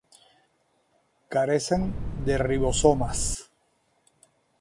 Carecen de ribosomas.